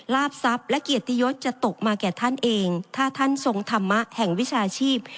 ทรัพย์และเกียรติยศจะตกมาแก่ท่านเองถ้าท่านทรงธรรมะแห่งวิชาชีพ